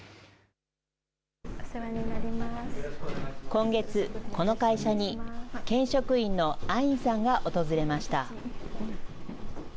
今月、この会社に県職員のアインさんが訪れました。